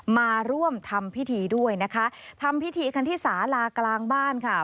มาร่วมทำพิธีด้วยนะคะทำพิธีกันที่สาลากลางบ้านค่ะ